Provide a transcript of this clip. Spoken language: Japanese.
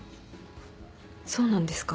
そうなんですか？